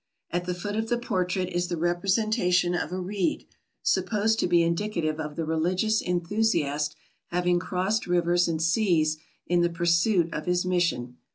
At the foot of the portrait is the representation of a reed, supposed to be indicative of the religious enthusiast having crossed rivers and seas in the pursuit of his mission.